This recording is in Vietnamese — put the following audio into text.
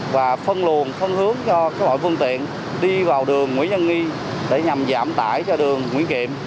và phân luận phân hướng cho các loại phương tiện đi vào đường nguyễn nhân nghi để nhằm giảm tải cho đường nguyễn kiệm